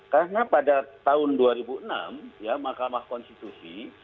karena pada tahun dua ribu enam ya mahkamah konstitusi